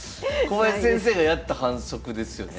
小林先生がやった反則ですよね？